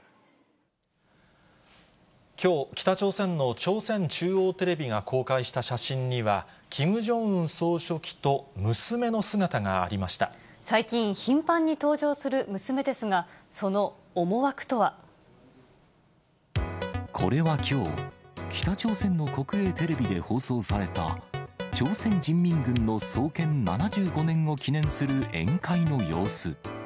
きょう、北朝鮮の朝鮮中央テレビが公開した写真には、キム・ジョンウン総最近、頻繁に登場する娘ですが、その思惑とは。これはきょう、北朝鮮の国営テレビで放送された、朝鮮人民軍の創建７５年を記念する宴会の様子。